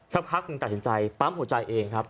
สักพักหนึ่งตัดสินใจปั๊มหัวใจเองครับ